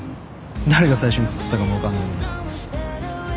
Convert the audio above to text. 誰が最初に作ったかもわかんないのに。